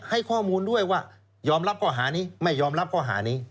ให้ข้อมูลด้วยว่ายอมรับข้อหานี้ไม่ยอมรับข้อหานี้